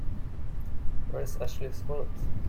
Where's Ashley's wallet?